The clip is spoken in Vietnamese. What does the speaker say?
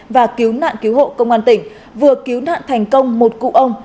và cứu nạn cứu hộ công an tỉnh vừa cứu nạn thành công một cụ ông